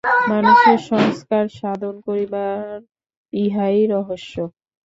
মানুষের সংস্কার-সাধন করিবার ইহাই রহস্য।